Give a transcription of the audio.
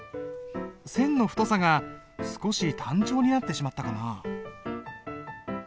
線の太さが少し単調になってしまったかな？